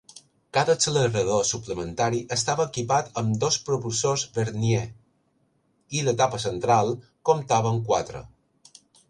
Cada accelerador suplementari estava equipat amb dos propulsors vernier i l'etapa central comptava amb quatre.